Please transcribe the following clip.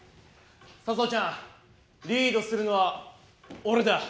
佐相ちゃんリードするのは俺だ。